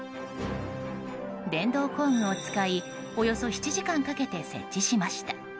電動工具を使いおよそ７時間かけて設置しました。